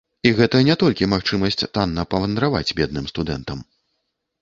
І гэта не толькі магчымасць танна павандраваць бедным студэнтам.